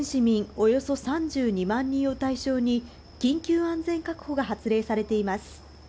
およそ３２万人を対象に緊急安全確保が発令されています。